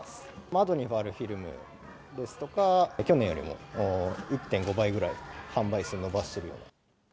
窓に貼るフィルムですとか、去年よりも１．５倍ぐらい販売数伸ばしてるような。